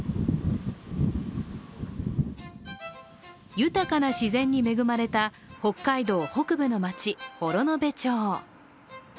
豊かな自然に恵まれた北海道北部の町、幌延町。